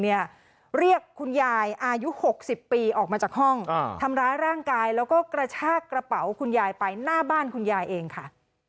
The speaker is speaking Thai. เรียกคุณยายอายุ๖๐ปีออกมาจากห้องทำร้ายร่างกายแล้วก็กระชากระเป๋าคุณยายไปหน้าบ้านคุณยายเองค่ะ